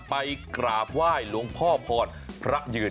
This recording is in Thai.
ไปกราบไหว้หลวงพ่อพรพระยืน